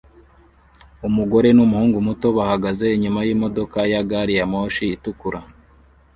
Umugore numuhungu muto bahagaze inyuma yimodoka ya gari ya moshi itukura